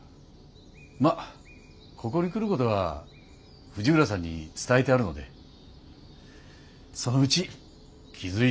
まあここに来ることは藤浦さんに伝えてあるのでそのうち気付いてくれるでしょう。